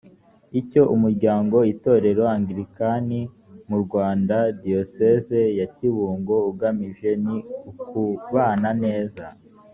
icyo umuryango itorero anglikani mu rwanda diyoseze ya kibungo ugamije ni ukubana neza